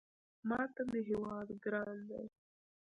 ماته مې هېواد ګران دی